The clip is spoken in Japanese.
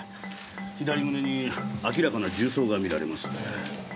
左胸に明らかな銃創が見られます。